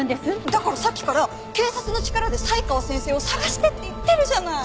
だからさっきから警察の力で才川先生を捜してって言ってるじゃない！